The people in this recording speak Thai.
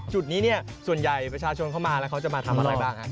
จุดนี้ส่วนใหญ่ประชาชนเขามาแล้วเขาจะมาทำอะไรบ้าง